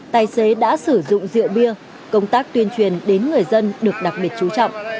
tài xế đã sử dụng rượu bia công tác tuyên truyền đến người dân được đặc biệt chú trọng